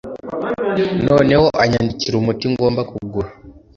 noneho anyandikira umuti ngomba kugura;